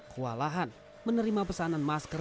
kewalahan menerima pesanan masker